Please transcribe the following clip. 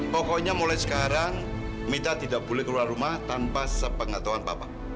pokoknya mulai sekarang minta tidak boleh keluar rumah tanpa sepengatauan papa